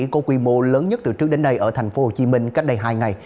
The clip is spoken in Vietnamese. có quy mô lớn nhất từ trước đến nay ở tp hcm cách đây hai ngày